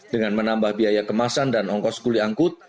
dengan menambah biaya kemasan dan ongkos kuli angkut